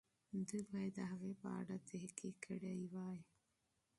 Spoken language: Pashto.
دوی باید د هغې په اړه تحقیق کړی وای.